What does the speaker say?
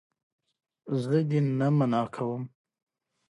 زه دې منع کومه نه.